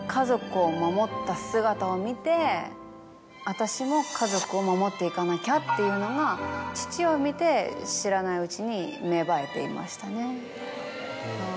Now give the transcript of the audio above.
私も家族を守っていかなきゃっていうのが父を見て知らないうちに芽生えていましたね。